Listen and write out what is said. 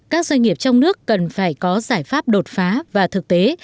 các doanh nghiệp trong nước cần phải có giải pháp đột phá và thực tế